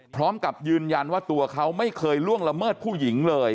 พร้อมกับยืนยันว่าตัวเขาไม่เคยล่วงละเมิดผู้หญิงเลย